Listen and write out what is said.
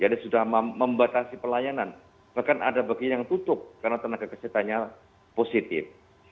jadi sudah membatasi pelayanan bahkan ada bagian yang tutup karena tenaga kesehatannya positif